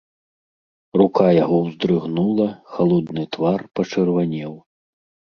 Рука яго ўздрыгнула, халодны твар пачырванеў.